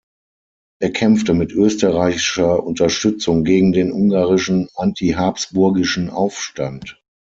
Er kämpfte mit österreichischer Unterstützung gegen den ungarischen antihabsburgischen Aufstand.